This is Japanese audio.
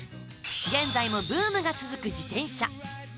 現在もブームが続く自転車。